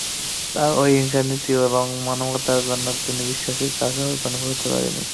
তঁার অহিংসা নীতি এবং মানবতাবাদের জন্য বিশ্ববাসী তঁাকে এখনো ভুলতে পারেনি।